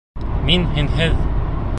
Мин һинһеҙ...